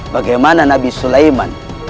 bagaimana nabi sulaiman